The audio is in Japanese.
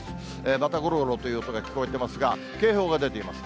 また、ゴロゴロという音が聞こえてますが、警報が出ています。